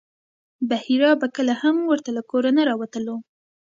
بحیرا به کله هم ورته له کوره نه راوتلو.